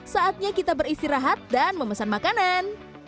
saatnya kita beristirahat dan memesan makanan